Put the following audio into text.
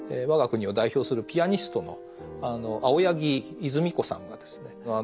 我が国を代表するピアニストの青柳いづみこさんがですね